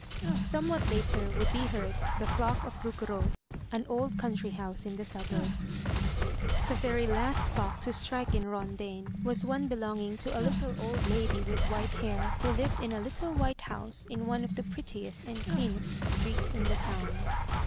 Somewhat later would be heard the clock of Vougereau, an old country house in the suburbs. The very last clock to strike in Rondaine was one belonging to a little old. lady with white hair, who lived in a little white house in one of the prettiest and cleanest streets in the town.